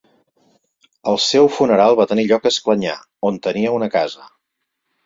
El seu funeral va tenir lloc a Esclanyà, on tenia una casa.